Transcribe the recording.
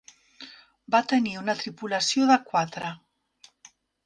Va tenir una tripulació de quatre.